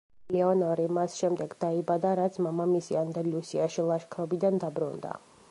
ლეონორი მას შემდეგ დაიბადა, რაც მამამისი ანდალუსიაში ლაშქრობიდან დაბრუნდა.